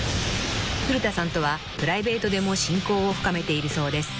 ［古田さんとはプライベートでも親交を深めているそうです］